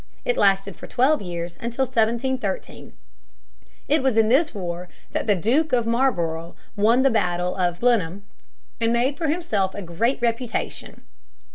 It lasted for twelve years, until 1713. It was in this war that the Duke of Marlborough won the battle of Blenheim and made for himself a great reputation.